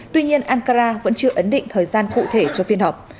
tuy nhiên ankara vẫn chưa ấn định thời gian cụ thể cho phiên họp